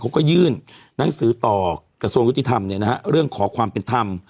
เขาก็ยื่นหนังสือต่อกระทรวงยุติธรรมเนี่ยนะฮะเรื่องขอความเป็นธรรม